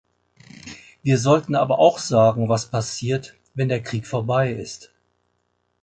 Wir sollten aber auch sagen, was passiert, wenn der Krieg vorbei ist.